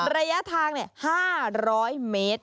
ระยะทาง๕๐๐เมตร